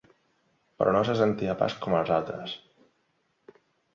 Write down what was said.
Però no se sentia pas com els altres.